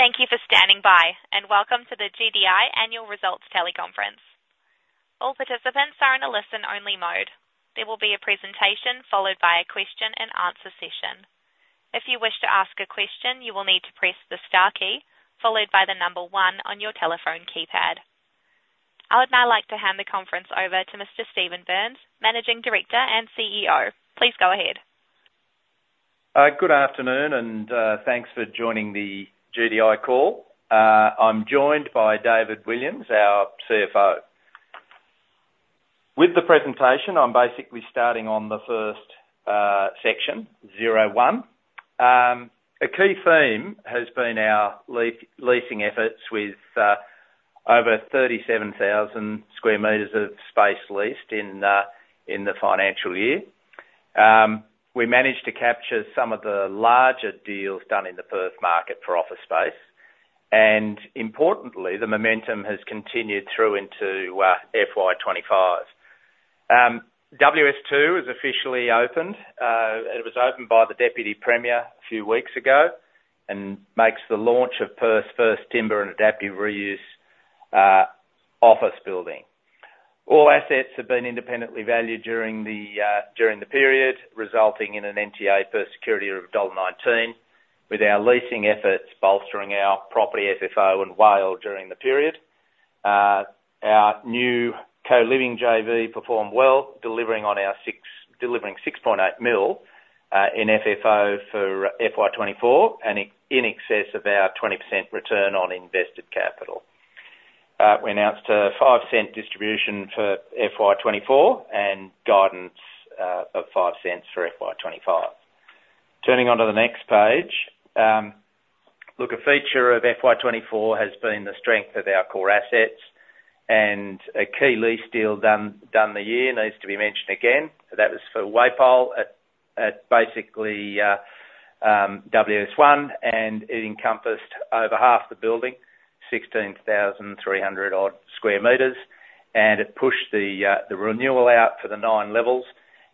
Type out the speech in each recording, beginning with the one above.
Thank you for standing by, and welcome to the GDI Annual Results Teleconference. All participants are in a listen-only mode. There will be a presentation followed by a question-and-answer session. If you wish to ask a question, you will need to press the star key, followed by the number one on your telephone keypad. I would now like to hand the conference over to Mr. Stephen Burns, Managing Director and CEO. Please go ahead. Good afternoon, and thanks for joining the GDI call. I'm joined by David Williams, our CFO. With the presentation, I'm basically starting on the first section, zero one. A key theme has been our leasing efforts with over 37,000 square meters of space leased in the financial year. We managed to capture some of the larger deals done in the Perth market for office space, and importantly, the momentum has continued through into FY 2025. WS2 is officially opened. It was opened by the Deputy Premier a few weeks ago, and makes the launch of Perth's first timber and adaptive reuse office building. All assets have been independently valued during the period, resulting in an NTA per security of AUD 1.19, with our leasing efforts bolstering our property FFO and WALE during the period. Our new co-living JV performed well, delivering 6.8 million in FFO for FY 2024, and in excess of our 20% return on invested capital. We announced an 0.05 distribution for FY 2024, and guidance of 0.05 for FY 2025. Turning to the next page. Look, a feature of FY 2024 has been the strength of our core assets, and a key lease deal done in the year needs to be mentioned again. That was for WAPOL at basically WS1, and it encompassed over half the building, 16,300-odd square meters, and it pushed the renewal out for the 9 levels,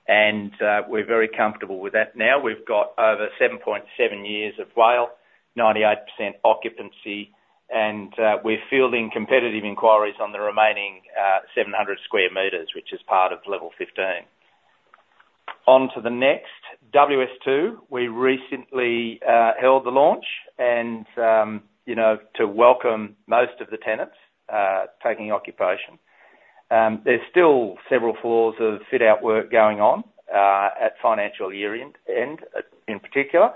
and we're very comfortable with that. Now, we've got over 7.7 years of WALE, 98% occupancy, and we're fielding competitive inquiries on the remaining 700 square meters, which is part of level 15. On to the next, WS2. We recently held the launch and you know to welcome most of the tenants taking occupation. There's still several floors of fit-out work going on at financial year end in particular.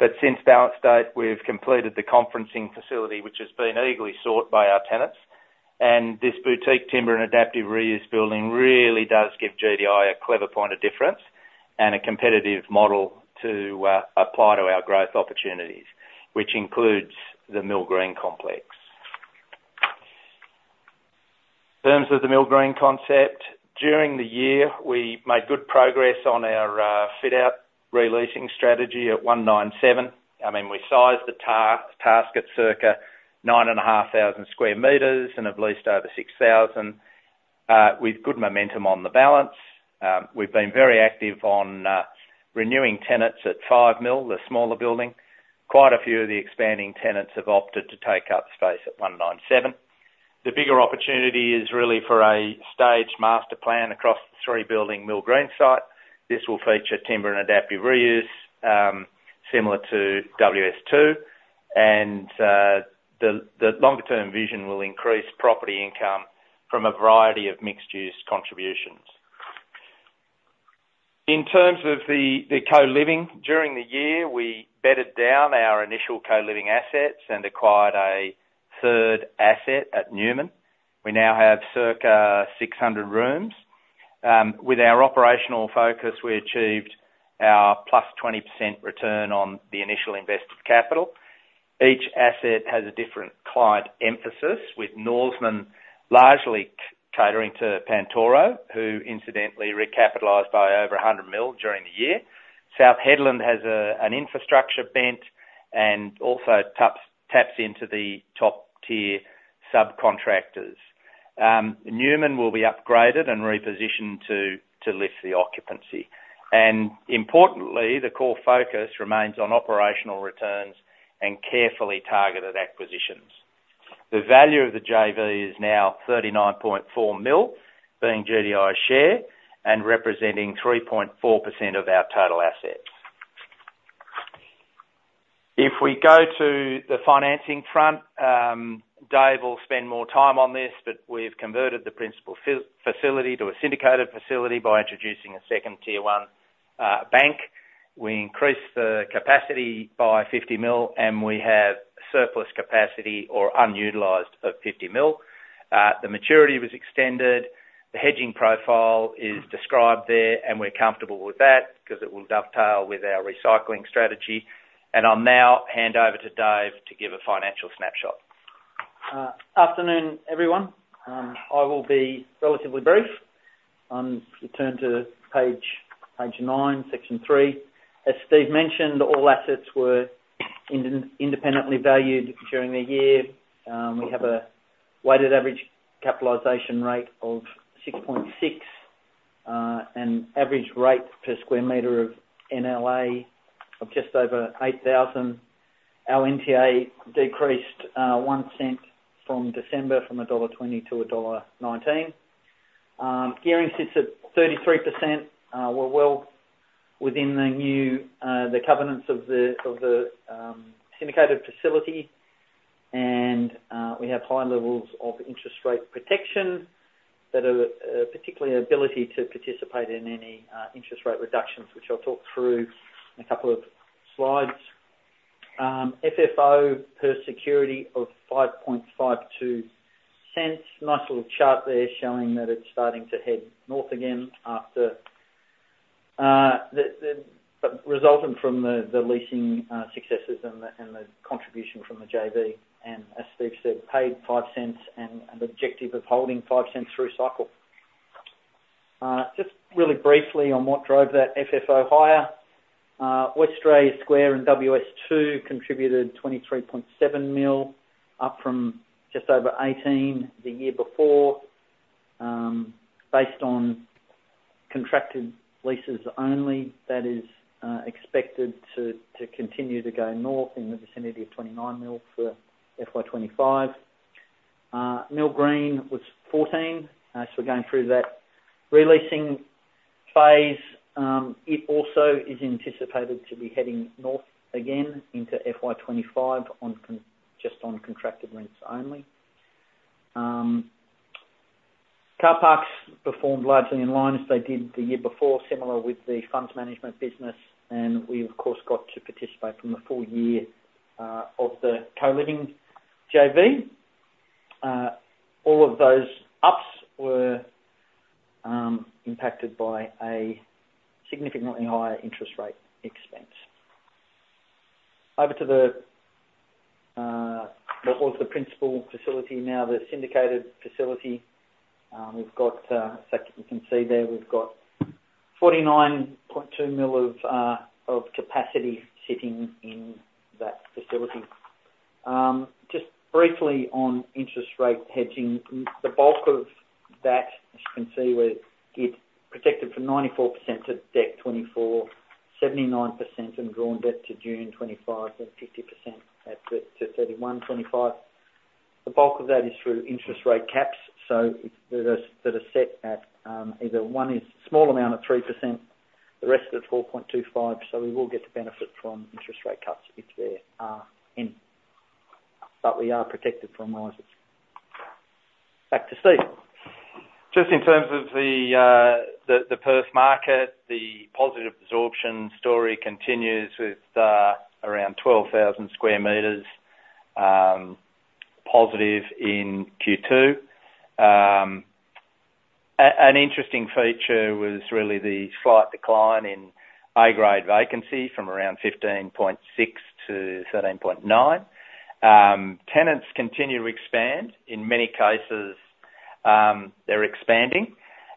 But since balance date, we've completed the conferencing facility, which has been eagerly sought by our tenants. This boutique timber and adaptive reuse building really does give GDI a clever point of difference and a competitive model to apply to our growth opportunities, which includes the Mill Green complex. In terms of the Mill Green concept. During the year, we made good progress on our fit-out re-leasing strategy at 197. I mean, we sized the task at circa 9,500 sq m and have leased over 6,000 with good momentum on the balance. We've been very active on renewing tenants at 5 Mill, the smaller building. Quite a few of the expanding tenants have opted to take up space at 197. The bigger opportunity is really for a staged master plan across the three-building Mill Green site. This will feature timber and adaptive reuse, similar to WS2, and the longer term vision will increase property income from a variety of mixed-use contributions. In terms of the co-living, during the year, we bedded down our initial co-living assets and acquired a third asset at Newman. We now have circa 600 rooms. With our operational focus, we achieved our plus 20% return on the initial invested capital. Each asset has a different client emphasis, with Norseman largely catering to Pantoro, who incidentally recapitalized by over 100 million during the year. South Hedland has an infrastructure bent and also taps into the top-tier subcontractors. Newman will be upgraded and repositioned to lift the occupancy. Importantly, the core focus remains on operational returns and carefully targeted acquisitions. The value of the JV is now 39.4 million, being GDI's share, and representing 3.4% of our total assets. If we go to the financing front, Dave will spend more time on this, but we've converted the principal facility to a syndicated facility by introducing a second tier one bank. We increased the capacity by 50 million, and we have surplus capacity or unutilized of 50 million. The maturity was extended, the hedging profile is described there, and we're comfortable with that because it will dovetail with our recycling strategy. And I'll now hand over to Dave to give a financial snapshot. Afternoon, everyone. I will be relatively brief. You turn to page nine, section three. As Steve mentioned, all assets were independently valued during the year. We have a weighted average capitalization rate of 6.6...... an average rate per sq m of NLA of just over 8,000. Our NTA decreased one cent from December, from dollar 1.20 to dollar 1.19. Gearing sits at 33%. We're well within the new covenants of the syndicated facility, and we have high levels of interest rate protection that are particularly ability to participate in any interest rate reductions, which I'll talk through in a couple of slides. FFO per security of 0.0552. Nice little chart there showing that it's starting to head north again after the resultant from the leasing successes and the contribution from the JV, and as Steve said, paid 0.05 and the objective of holding 0.05 through cycle. Just really briefly on what drove that FFO higher, Westralia Square and WS2 contributed 23.7 million, up from just over 18 million the year before. Based on contracted leases only, that is expected to continue to go north in the vicinity of 29 million for FY 2025. Mill Green was 14 million, so we're going through that re-leasing phase. It also is anticipated to be heading north again into FY 2025 just on contracted rents only. Car parks performed largely in line, as they did the year before, similar with the funds management business, and we of course got to participate from the full year of the co-living JV. All of those ups were impacted by a significantly higher interest rate expense. Over to the what was the principal facility, now the syndicated facility. We've got, so you can see there, we've got 49.2 million of capacity sitting in that facility. Just briefly on interest rate hedging, the bulk of that, as you can see, is protected from 94% to December 2024, 79% in drawn debt to June 2025, and 50% to 2031. The bulk of that is through interest rate caps that are set at a small amount of 3%, the rest at 4.25%, so we will get the benefit from interest rate cuts if there are any, but we are protected from rises. Back to Steve. Just in terms of the Perth market, the positive absorption story continues with around 12,000 square meters positive in Q2. An interesting feature was really the slight decline in A-grade vacancy from around 15.6 to 13.9. Tenants continue to expand. In many cases, they're expanding,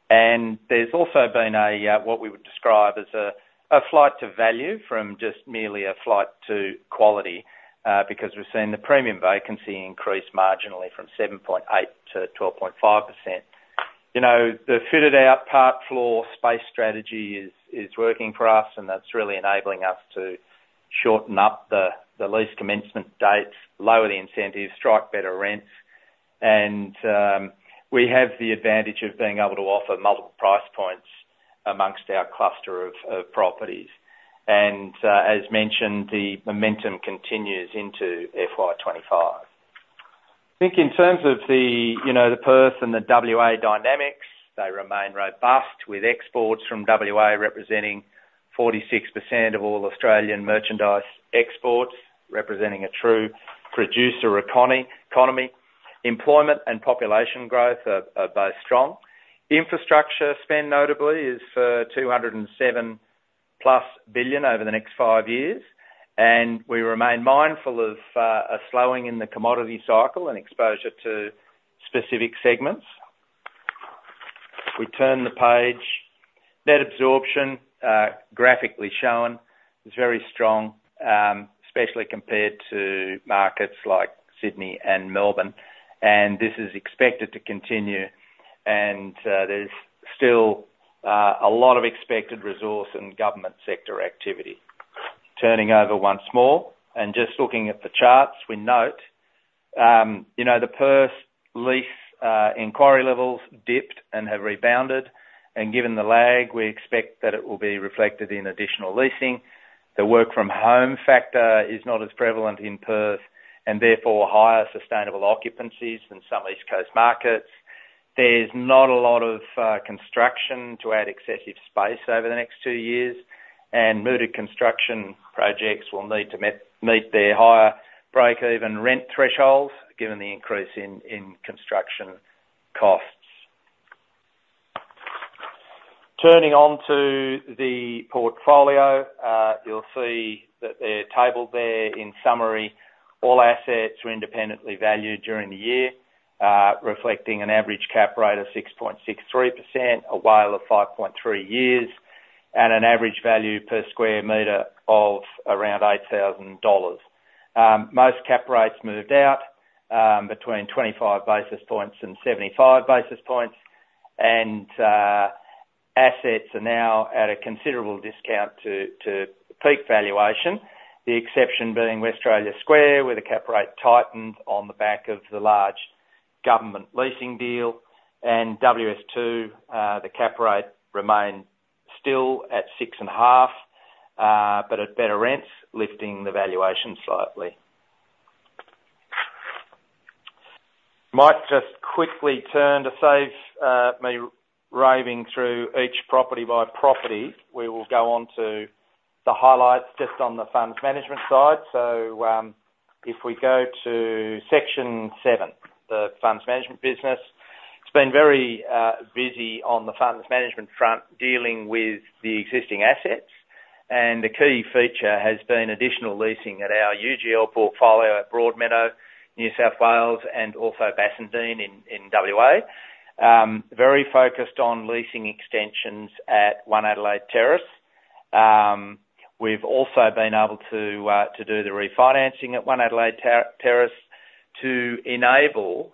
and there's also been a what we would describe as a flight to value from just merely a flight to quality, because we've seen the premium vacancy increase marginally from 7.8% to 12.5%. You know, the fitted out part floor space strategy is working for us, and that's really enabling us to shorten up the lease commencement dates, lower the incentives, strike better rents, and we have the advantage of being able to offer multiple price points amongst our cluster of properties, and as mentioned, the momentum continues into FY 2025. I think in terms of you know, the Perth and the WA dynamics, they remain robust, with exports from WA representing 46% of all Australian merchandise exports, representing a true producer economy. Employment and population growth are both strong. Infrastructure spend, notably, is 207+ billion over the next five years, and we remain mindful of a slowing in the commodity cycle and exposure to specific segments. We turn the page. Net absorption, graphically shown, is very strong, especially compared to markets like Sydney and Melbourne, and this is expected to continue and, there's still, a lot of expected resource and government sector activity. Turning over once more, and just looking at the charts, we note, you know, the Perth leasing inquiry levels dipped and have rebounded, and given the lag, we expect that it will be reflected in additional leasing. The work from home factor is not as prevalent in Perth, and therefore, higher sustainable occupancies than some East Coast markets. There's not a lot of, construction to add excessive space over the next two years, and mooted construction projects will need to meet their higher break even rent thresholds, given the increase in construction costs. Turning on to the portfolio, you'll see that they're tabled there. In summary, all assets were independently valued during the year, reflecting an average cap rate of 6.63%, a WALE of 5.3 years, and an average value per square meter of around 8,000 dollars. Most cap rates moved out between 25 basis points and 75 basis points. Assets are now at a considerable discount to peak valuation, the exception being Westralia Square, where the cap rate tightened on the back of the large government leasing deal, and WS2, the cap rate remained still at 6.5, but at better rents, lifting the valuation slightly. Might just quickly turn to save me raving through each property by property. We will go on to the highlights just on the funds management side. If we go to section seven, the funds management business, it's been very busy on the funds management front, dealing with the existing assets, and the key feature has been additional leasing at our UGL portfolio at Broadmeadow, New South Wales, and also Bassendean in WA. Very focused on leasing extensions at One Adelaide Terrace. We've also been able to do the refinancing at One Adelaide Terrace to enable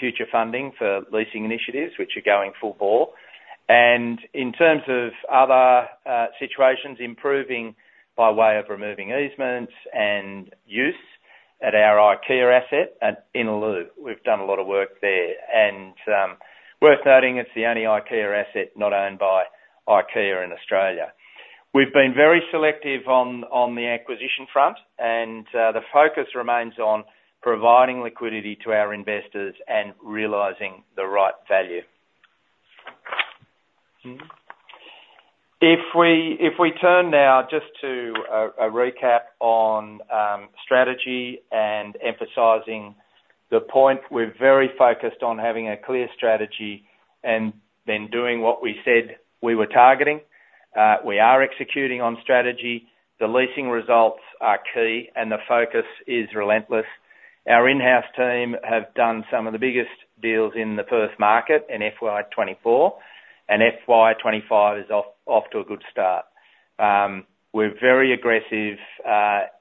future funding for leasing initiatives, which are going full bore. In terms of other situations, improving by way of removing easements and use at our IKEA asset at Innaloo. We've done a lot of work there. Worth noting, it's the only IKEA asset not owned by IKEA in Australia. We've been very selective on the acquisition front, and the focus remains on providing liquidity to our investors and realizing the right value. If we turn now just to a recap on strategy and emphasizing the point, we're very focused on having a clear strategy and then doing what we said we were targeting. We are executing on strategy. The leasing results are key, and the focus is relentless. Our in-house team have done some of the biggest deals in the Perth market in FY 2024, and FY 2025 is off to a good start. We're very aggressive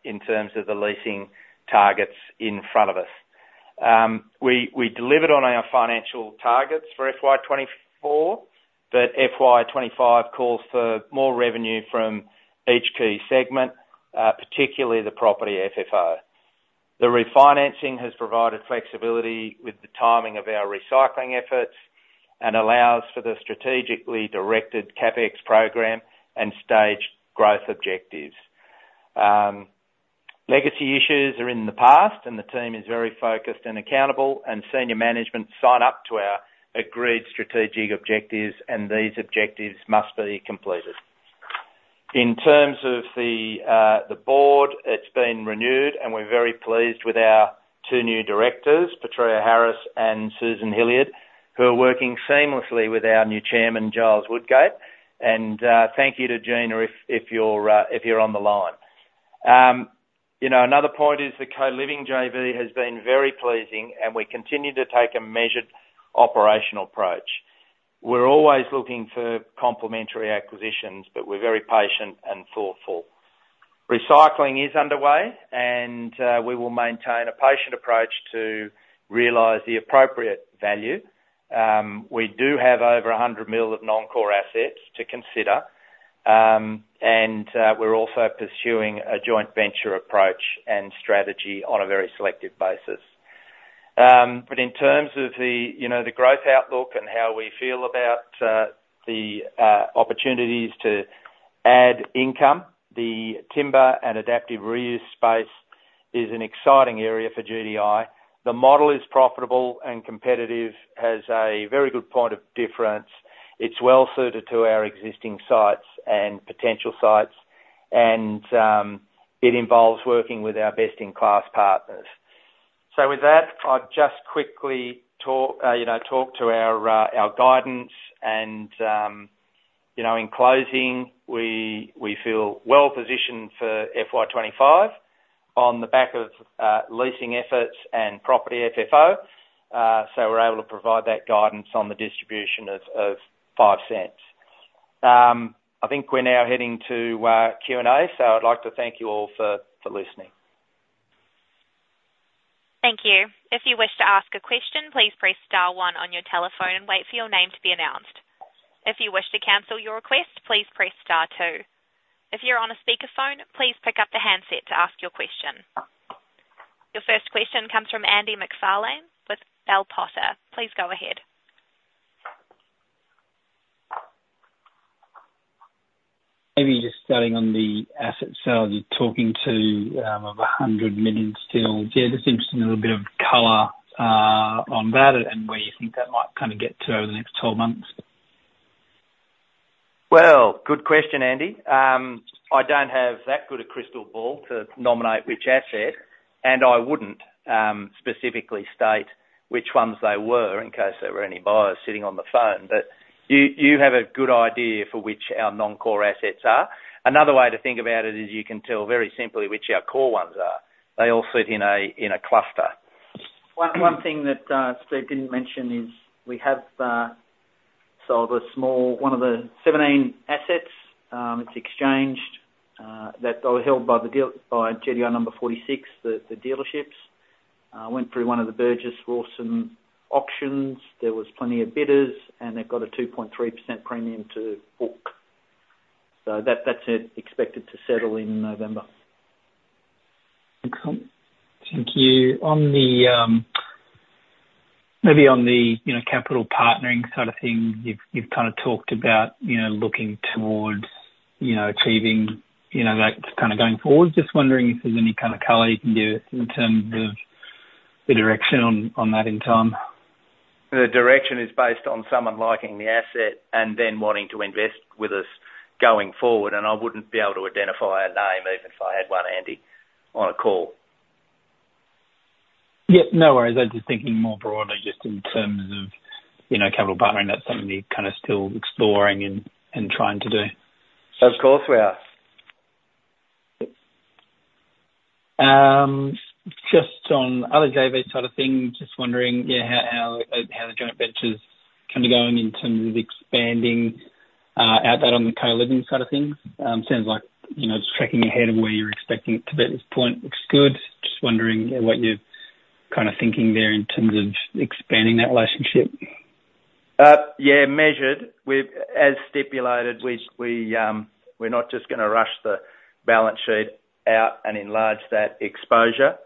in terms of the leasing targets in front of us. We delivered on our financial targets for FY 2024, but FY 2025 calls for more revenue from each key segment, particularly the property FFO. The refinancing has provided flexibility with the timing of our recycling efforts and allows for the strategically directed CapEx program and staged growth objectives. Legacy issues are in the past, and the team is very focused and accountable, and senior management sign up to our agreed strategic objectives, and these objectives must be completed. In terms of the board, it's been renewed, and we're very pleased with our two new directors, Patrea Harris and Susan Hilliard, who are working seamlessly with our new chairman, Giles Woodgate, and thank you to Gina, if you're on the line. You know, another point is the co-living JV has been very pleasing, and we continue to take a measured, operational approach. We're always looking for complementary acquisitions, but we're very patient and thoughtful. Recycling is underway, and we will maintain a patient approach to realize the appropriate value. We do have over a hundred mil of non-core assets to consider, and we're also pursuing a joint venture approach and strategy on a very selective basis. But in terms of, you know, the growth outlook and how we feel about the opportunities to add income, the timber and adaptive reuse space is an exciting area for GDI. The model is profitable and competitive, has a very good point of difference. It's well suited to our existing sites and potential sites, and it involves working with our best-in-class partners. So with that, I'd just quickly talk you know to our guidance and you know in closing, we feel well positioned for FY 2025 on the back of leasing efforts and property FFO. So we're able to provide that guidance on the distribution of 0.05. I think we're now heading to Q&A, so I'd like to thank you all for listening. Thank you. If you wish to ask a question, please press star one on your telephone and wait for your name to be announced. If you wish to cancel your request, please press star two. If you're on a speakerphone, please pick up the handset to ask your question. Your first question comes from Andrew McFarlane with Bell Potter. Please go ahead. Maybe just starting on the asset side, you're talking of 100 million still. Yeah, just interested in a little bit of color on that and where you think that might kind of get to over the next twelve months. Good question, Andy. I don't have that good a crystal ball to nominate which asset, and I wouldn't specifically state which ones they were in case there were any buyers sitting on the phone. But you, you have a good idea for which our non-core assets are. Another way to think about it is you can tell very simply which our core ones are. They all sit in a cluster.... One thing that Steve didn't mention is we have sold a small one of the 17 assets. It's exchanged that were held by GDI number forty-six, the dealerships. Went through one of the Burgess Rawson auctions. There was plenty of bidders, and they've got a 2.3% premium to book. So that's it, expected to settle in November. Okay, thank you. On the, maybe on the, you know, capital partnering side of things, you've kind of talked about, you know, looking towards, you know, achieving, you know, that kind of going forward. Just wondering if there's any kind of color you can give in terms of the direction on that in time? The direction is based on someone liking the asset and then wanting to invest with us going forward, and I wouldn't be able to identify a name even if I had one, Andy, on a call. Yeah, no worries. I'm just thinking more broadly, just in terms of, you know, capital partnering, that's something you're kind of still exploring and, and trying to do. Of course we are. Just on other JV side of things, just wondering, how the joint ventures kind of going in terms of expanding out that on the co-living side of things? Sounds like, you know, it's tracking ahead of where you're expecting it to be at this point. Looks good. Just wondering what you're kind of thinking there in terms of expanding that relationship. Yeah, measured. We've as stipulated, we're not just gonna rush the balance sheet out and enlarge that exposure.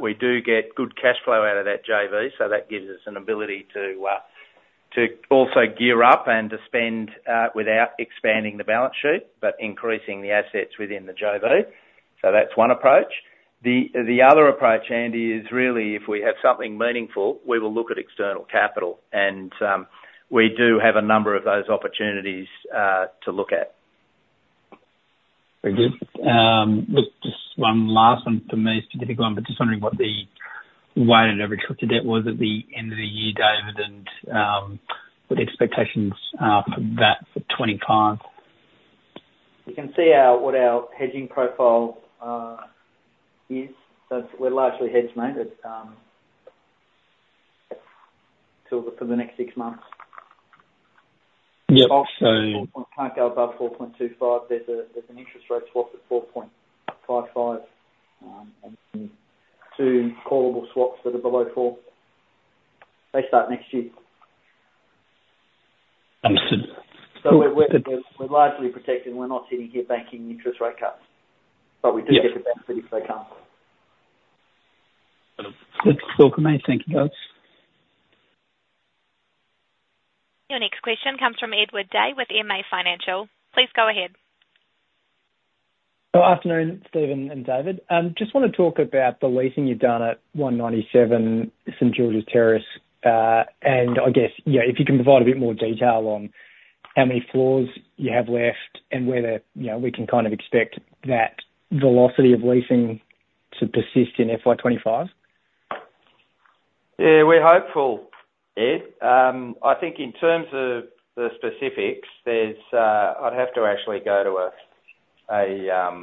We do get good cash flow out of that JV, so that gives us an ability to gear up and to spend without expanding the balance sheet, but increasing the assets within the JV. So that's one approach. The other approach, Andy, is really if we have something meaningful, we will look at external capital, and we do have a number of those opportunities to look at. Very good. Just one last one for me, specific one, but just wondering what the weighted average cost of debt was at the end of the year, David, and what the expectations are for that for 2025? You can see what our hedging profile is. So we're largely hedged, mate. It's till for the next six months. Yep, so- Can't go above four point two five. There's an interest rate swap at four point five five, and two callable swaps that are below four. They start next year. Understood. So we're largely protected, we're not sitting here banking interest rate cuts. Yeah. But we do get the benefit if they come. Good talk, mate. Thank you, guys. Your next question comes from Edward Day with MA Financial. Please go ahead. Good afternoon, Steve and David. Just wanna talk about the leasing you've done at 197 St Georges Terrace. And I guess, yeah, if you can provide a bit more detail on how many floors you have left and whether, you know, we can kind of expect that velocity of leasing to persist in FY 2025? Yeah, we're hopeful, Ed. I think in terms of the specifics, there's... I'd have to actually go to a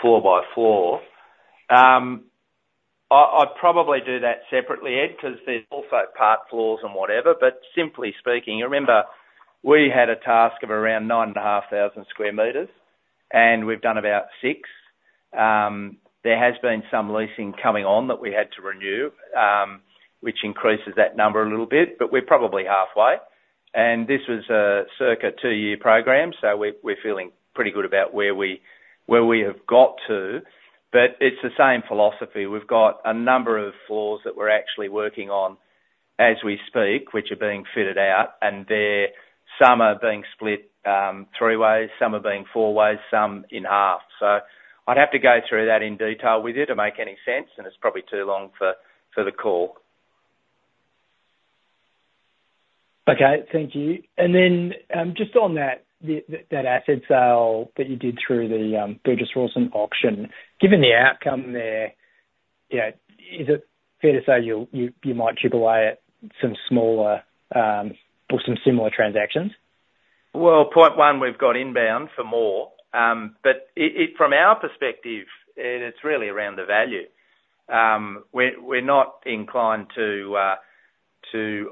floor by floor. I'd probably do that separately, Ed, 'cause there's also part floors and whatever, but simply speaking, you remember we had a task of around nine and a half thousand square meters, and we've done about six. There has been some leasing coming on that we had to renew, which increases that number a little bit, but we're probably halfway, and this was a circa two-year program, so we're feeling pretty good about where we have got to. But it's the same philosophy. We've got a number of floors that we're actually working on as we speak, which are being fitted out, and they're, some are being split three ways, some are being four ways, some in half, so I'd have to go through that in detail with you to make any sense, and it's probably too long for the call. Okay, thank you. Then, just on that, that asset sale that you did through the Burgess Rawson auction, given the outcome there, you know, is it fair to say you might chip away at some smaller or some similar transactions? Point one, we've got inbound for more. But from our perspective, Ed, it's really around the value. We're not inclined to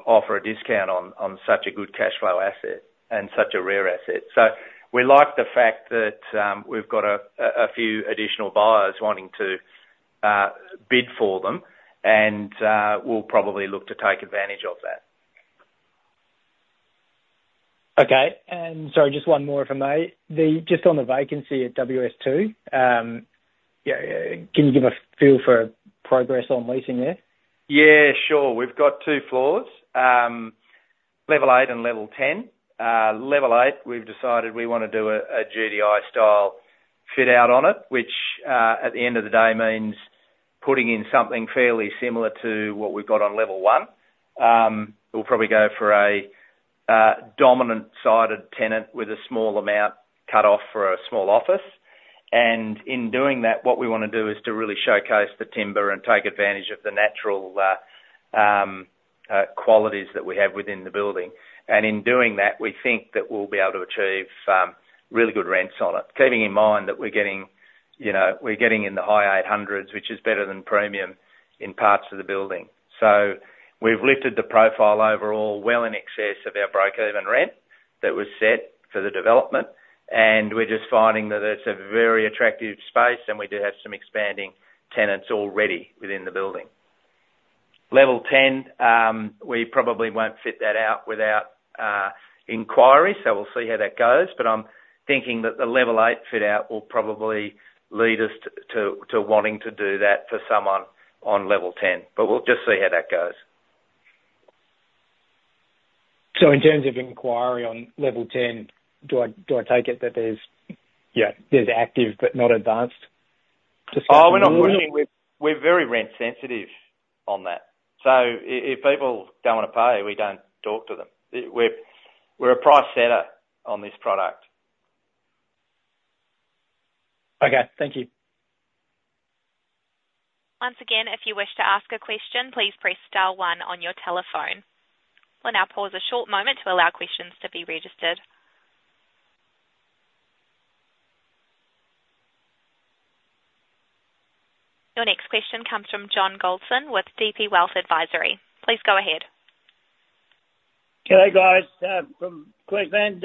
offer a discount on such a good cash flow asset and such a rare asset. We like the fact that we've got a few additional buyers wanting to bid for them, and we'll probably look to take advantage of that. Okay. And sorry, just one more, if I may. Just on the vacancy at WS2, yeah, can you give a feel for progress on leasing there? Yeah, sure. We've got two floors, level eight and level ten. Level eight, we've decided we wanna do a GDI style fit out on it, which at the end of the day means putting in something fairly similar to what we've got on level one. We'll probably go for a dominant-sided tenant with a small amount cut off for a small office. And in doing that, what we wanna do is to really showcase the timber and take advantage of the natural qualities that we have within the building. And in doing that, we think that we'll be able to achieve really good rents on it. Keeping in mind that we're getting, you know, we're getting in the high eight hundreds, which is better than premium in parts of the building. So we've lifted the profile overall, well in excess of our break even rent that was set for the development, and we're just finding that it's a very attractive space, and we do have some expanding tenants already within the building. Level ten, we probably won't fit that out without inquiry, so we'll see how that goes. But I'm thinking that the level eight fit out will probably lead us to wanting to do that for someone on level ten. But we'll just see how that goes. So in terms of inquiry on level ten, do I take it that there's active but not advanced discussions? Oh, we're not pushing. We're very rent sensitive on that. So if people don't want to pay, we don't talk to them. We're a price setter on this product. Okay, thank you. Once again, if you wish to ask a question, please press star one on your telephone. We'll now pause a short moment to allow questions to be registered. Your next question comes from John Goldson with DP Wealth Advisory. Please go ahead. G'day, guys, from Queensland.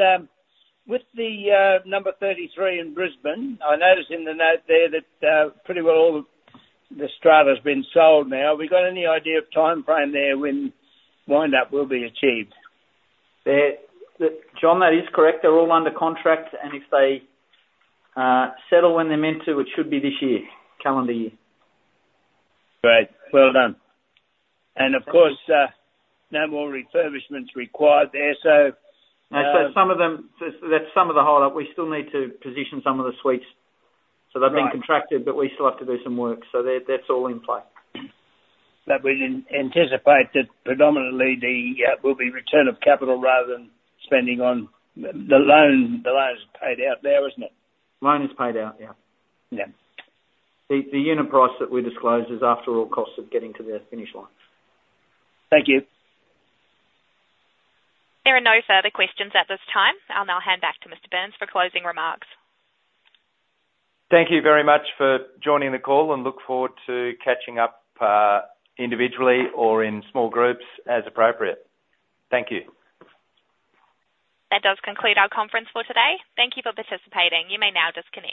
With the number 33 in Brisbane, I noticed in the note there that pretty well all the strata has been sold now. Have we got any idea of timeframe there when wind up will be achieved? John, that is correct. They're all under contract, and if they settle when they're meant to, it should be this year, calendar year. Great, well done. And of course, no more refurbishments required there, so, Some of them, that's some of the hold-up. We still need to position some of the suites. Right. So they've been contracted, but we still have to do some work, so that, that's all in play. But we'd anticipate that predominantly will be return of capital rather than spending on the loan. The loan is paid out now, isn't it? Loan is paid out, yeah. Yeah. The unit price that we disclosed is after all costs of getting tothe finish line. Thank you. There are no further questions at this time. I'll now hand back to Mr. Burns for closing remarks. Thank you very much for joining the call, and look forward to catching up, individually or in small groups as appropriate. Thank you. That does conclude our conference for today. Thank you for participating. You may now disconnect.